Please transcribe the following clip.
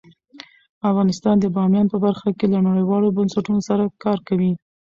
افغانستان د بامیان په برخه کې له نړیوالو بنسټونو سره کار کوي.